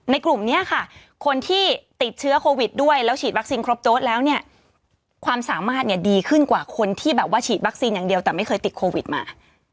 กลุ่มนี้ค่ะคนที่ติดเชื้อโควิดด้วยแล้วฉีดวัคซีนครบโจ๊ดแล้วเนี่ยความสามารถเนี่ยดีขึ้นกว่าคนที่แบบว่าฉีดวัคซีนอย่างเดียวแต่ไม่เคยติดโควิดมา